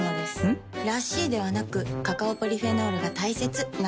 ん？らしいではなくカカオポリフェノールが大切なんです。